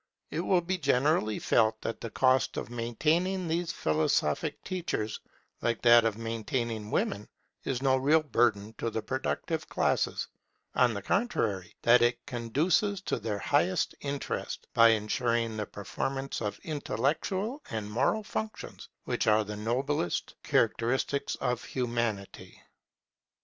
It will be generally felt that the cost of maintaining these philosophic teachers, like that of maintaining women, is no real burden to the productive classes; on the contrary, that it conduces to their highest interest, by ensuring the performance of intellectual and moral functions which are the noblest characteristics of Humanity.